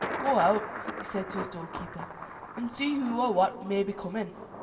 "Go out," said he to his doorkeeper, "and see who or what may be coming."